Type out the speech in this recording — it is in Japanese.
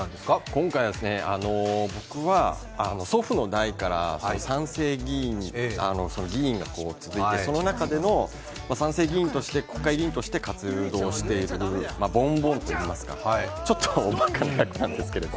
今回は僕は祖父の代から議員が続いてその中での三世議員として国会議員として活動していくボンボンといいますか、ちょっとおばかなんですけど。